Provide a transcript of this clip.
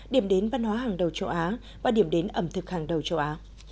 điểm đến văn hóa hàng đầu châu á và điểm đến ẩm thực hàng đầu châu á